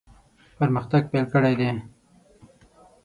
پرمختګ پیل کړی دی.